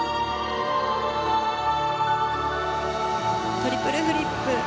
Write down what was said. トリプルフリップ。